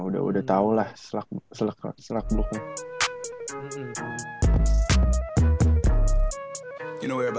nah udah tau lah slug blocknya